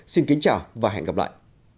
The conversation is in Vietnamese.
xin kính chào và hẹn gặp lại